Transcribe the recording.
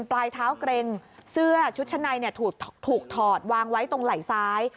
ปลายเท้าเกร็งเสื้อชุดชั้นในถูกถอดวางไว้ตรงไหล่ซ้าย